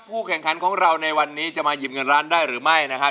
แข่งขันของเราในวันนี้จะมาหยิบเงินร้านได้หรือไม่นะครับ